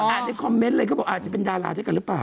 อาจจะคอมเมนต์เลยก็บอกอาจจะเป็นดาราใช่กันหรือเปล่า